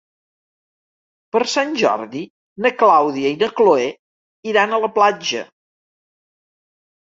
Per Sant Jordi na Clàudia i na Cloè iran a la platja.